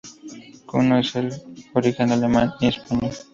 Kuno es de origen alemán y español.